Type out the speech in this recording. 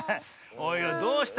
おいおいどうした？